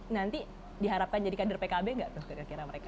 nanti diharapkan jadi kader pkb nggak tuh kira kira mereka